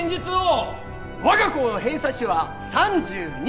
我が校の偏差値は３２！